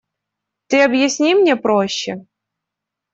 Ты объясни мне проще.